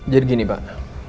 jadi gini pak